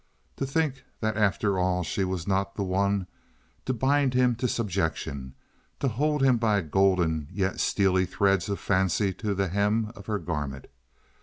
To think that after all she was not the one to bind him to subjection, to hold him by golden yet steely threads of fancy to the hem of her garment!